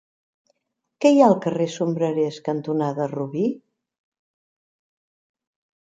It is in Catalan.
Què hi ha al carrer Sombrerers cantonada Robí?